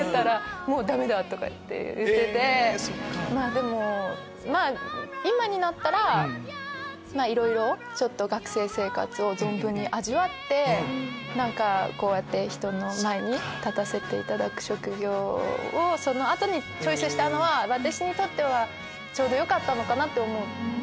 でも今になったらいろいろ学生生活を存分に味わってこうやって人の前に立たせていただく職業をその後にチョイスしたのは私にとってはちょうどよかったかなって思う。